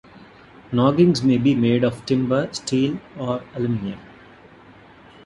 Noggings may be made of timber, steel, or aluminium.